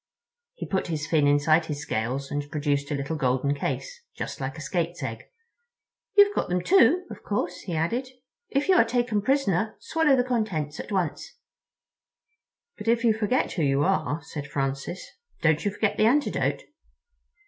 He put his fin inside his scales and produced a little golden case, just like a skate's egg. "You've got them, too, of course," he added. "If you are taken prisoner swallow the contents at once." "But if you forget who you are," said Francis, "don't you forget the antidote?"